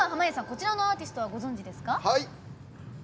こちらのアーティストご存じですか。